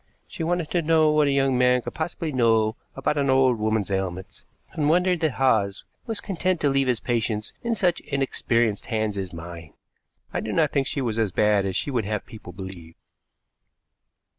She wanted to know what a young man could possibly know about an old woman's ailments, and wondered that Hawes was content to leave his patients in such inexperienced hands as mine. I do not think she was as bad as she would have people believe."